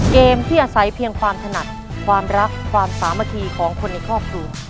เกมที่อาศัยเพียงความถนัดความรักความสามัคคีของคนในครอบครัว